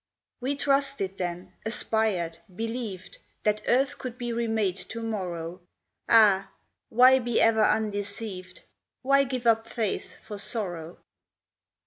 We trusted then, aspired, believed That earth could be remade to morrow; Ah, why be ever undeceived? Why give up faith for sorrow?